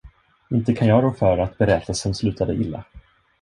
Inte kan jag rå för att berättelsen slutade illa.